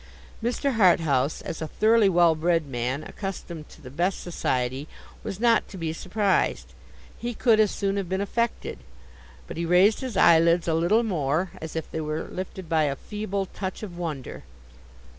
Mr. Harthouse, as a thoroughly well bred man, accustomed to the best society, was not to be surprised—he could as soon have been affected—but he raised his eyelids a little more, as if they were lifted by a feeble touch of wonder.